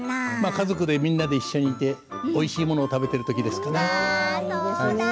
家族でみんなで一緒にいて、おいしいもの食べている時ですかね。